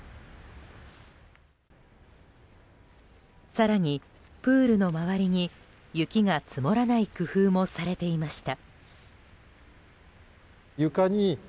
更に、プールの周りに雪が積もらない工夫もされていました。